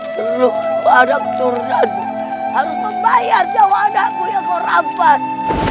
seluruh wadah keturunanmu harus membayar jawabanku yang kau rampas